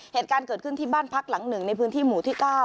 เหตุการณ์เกิดขึ้นที่บ้านพักหลังหนึ่งในพื้นที่หมู่ที่๙